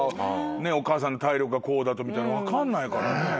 お母さんの体力がこうだとみたいなの分かんないからね。